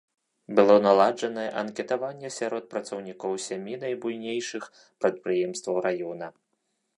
Было наладжанае анкетаванне сярод працаўнікоў сямі найбуйнейшых прадпрыемстваў раёна.